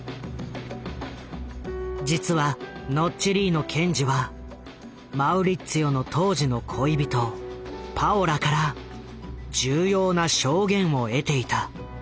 実はノッチェリーノ検事はマウリッツィオの当時の恋人パオラから重要な証言を得ていた。